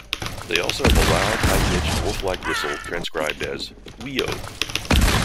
They also have a loud, high-pitched, wolf-like whistle, transcribed as "Wheeo".